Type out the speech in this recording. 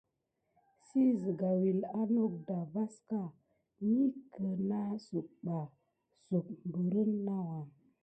Sina siga wule anok da vas ka mis kinasuk ba pane suk berakin nawa.